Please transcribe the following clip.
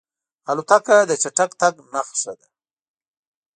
الوتکه د چټک تګ نښه ده.